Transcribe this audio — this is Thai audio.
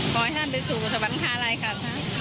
ขอให้ท่านไปสู่สวรรคาลัยค่ะ